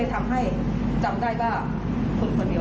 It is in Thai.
ภาพนี้ไม่ได้ถ่ายแค่สนามนี้สนามเดียว